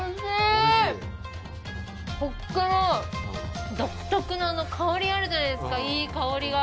ほっけの独特の香りあるじゃないですかいい香りが。